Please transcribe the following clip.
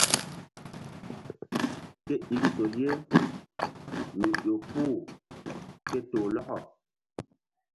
Ke ik sol ye mi ƴo puh ke toh lɔkɔ.